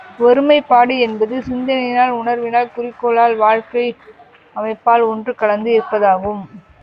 ஒருமைப்பாடு என்பது சிந்தனையினால் உணர்வினால், குறிக்கோளால், வாழ்க்கை அமைப்பால் ஒன்று கலந்து இருப்பதாகும்.